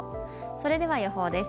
それでは予報です。